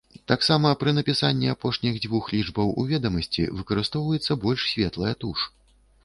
Таксама пры напісанні апошніх дзвюх лічбаў у ведамасці выкарыстоўваецца больш светлая туш.